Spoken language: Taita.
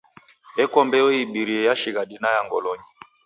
Eko mbeo ibirie ya shighadi na ya ngolonyi.